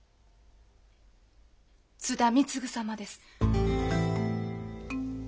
津田貢様です。